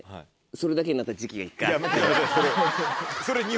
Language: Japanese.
それだけになった時期が１回あって。